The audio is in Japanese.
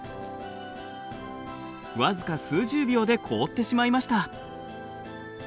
僅か数十秒で凍ってしまいました。